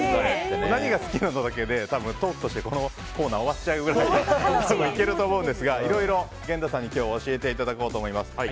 何が好きなの？だけでトークとしてこのコーナーが終わっちゃうくらいだと思うんですがいろいろ源太さんに今日は教えていただこうと思います。